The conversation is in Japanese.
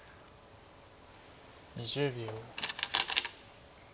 ２０秒。